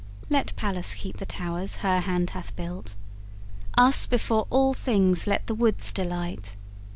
Let Pallas keep the towers her hand hath built, Us before all things let the woods delight.